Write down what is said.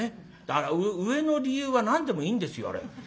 上の理由は何でもいいんですよあれ。